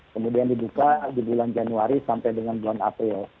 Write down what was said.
kemudian dibuka di bulan januari sampai dengan bulan april